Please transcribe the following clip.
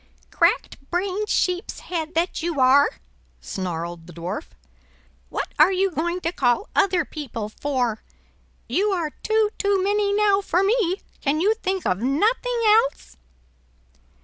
"Crack brained sheep's head that you are!" snarled the Dwarf; "what are you going to call other people for? You are two too many now for me; can you think of nothing else?"